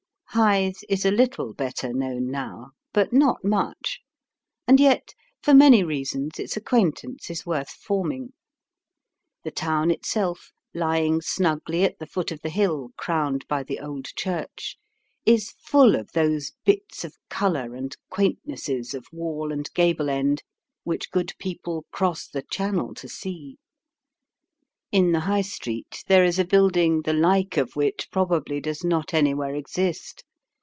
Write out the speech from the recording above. Hythe is a little better known now, but not much. And yet for many reasons its acquaintance is worth forming. The town itself, lying snugly at the foot of the hill crowned by the old church, is full of those bits of colour and quaintnesses of wall and gable end which good people cross the Channel to see. In the High street there is a building the like of which probably does not anywhere exist.